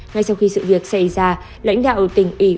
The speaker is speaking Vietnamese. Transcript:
ngay sau khi sự việc xảy ra lãnh đạo tỉnh ủy